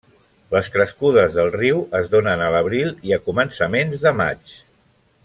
Les crescudes del riu es donen a l'abril i a començaments de maig.